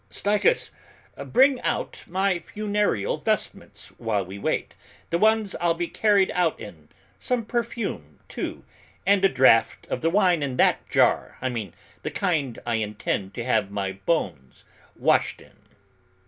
Stychus, bring out my funereal vestments while we wait, the ones I'll be carried out in, some perfume, too, and a draught of the wine in that jar, I mean the kind I intend to have my bones washed in."